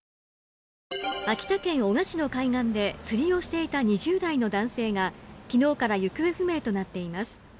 秋田県男鹿市の海岸で釣りをしていた２０代の男性が昨日から行方不明となっています。